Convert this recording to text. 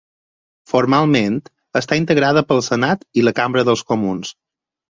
Formalment, està integrada pel Senat i la Cambra dels Comuns.